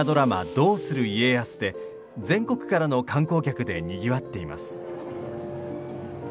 「どうする家康」で、全国からの観光客でにぎわっています。